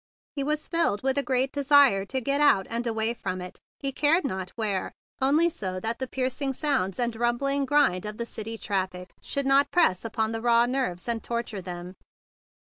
He was filled with a great desire to get out and away from it, he cared not where, only so that the piercing sounds and rumbling grind of the traffic of the city should not press upon the raw nerves and torture them.